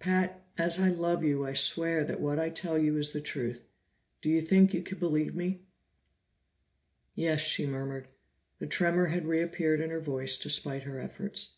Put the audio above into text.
"Pat, as I love you I swear that what I tell you is the truth. Do you think you can believe me?" "Yes," she murmured. The tremor had reappeared in her voice despite her efforts.